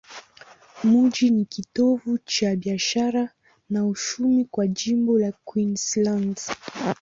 Mji ni kitovu cha biashara na uchumi kwa jimbo la Queensland.